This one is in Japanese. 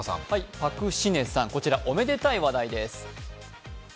パク・シネさん、こちらおめでたい話題です。